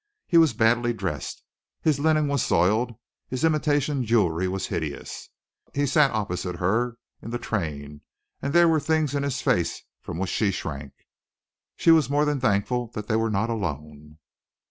He was badly dressed, his linen was soiled, his imitation jewelry was hideous. He sat opposite her in the train, and there were things in his face from which she shrank. She was more than thankful that they were not alone.